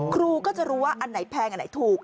ครูก็จะรู้ว่าอันไหนแพงอันไหนถูก